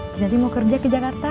berarti mau kerja ke jakarta